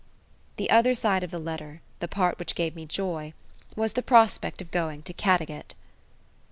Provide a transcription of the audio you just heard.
The other side of the letter the part which gave me joy was the prospect of going to Caddagat.